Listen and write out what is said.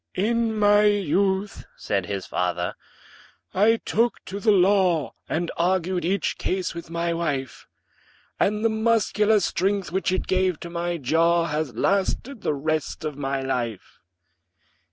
"In my youth," said his fater, "I took to the law, And argued each case with my wife; And the muscular strength, which it gave to my jaw, Has lasted the rest of my life."